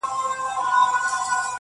ځوانان بحث کوي په کوڅو تل-